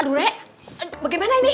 aduh re bagaimana ini